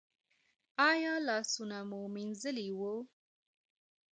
ایا لاسونه مو مینځلي وو؟